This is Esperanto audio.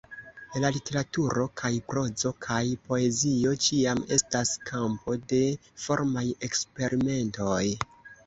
La literaturo – kaj prozo kaj poezio – ĉiam estas kampo de formaj eksperimentoj.